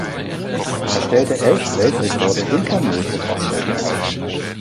Er stellte elf Weltrekorde hinter Motorfahrzeugen auf.